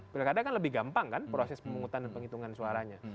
pilkada kan lebih gampang kan proses pemungutan dan penghitungan suaranya